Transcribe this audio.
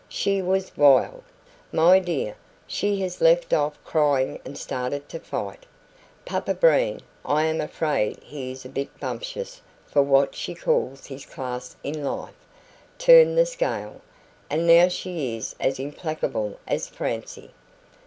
She WAS wild. My dear, she has left off crying and started to fight. Papa Breen (I am afraid he is a bit bumptious for what she calls his class in life) turned the scale, and now she is as implacable as Francie.